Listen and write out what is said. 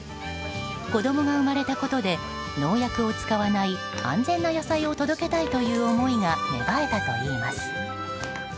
子供が生まれたことで農薬を使わない安全な野菜を届けたいという思いが芽生えたといいます。